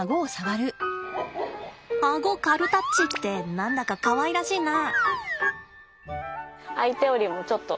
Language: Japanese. あご軽タッチって何だかかわいらしいな。